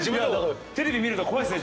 テレビ見るの怖いっすね